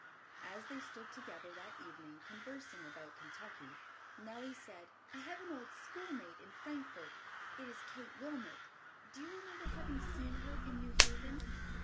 As they stood together that evening conversing about Kentucky, Nellie said, "I have an old schoolmate in Frankfort. It is Kate Wilmot. Do you remember having seen her in New Haven?"